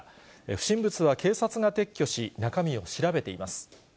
不審物は警察が撤去し、中身を調べています。